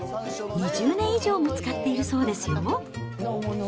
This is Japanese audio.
２０年以上も使っているそうですよ。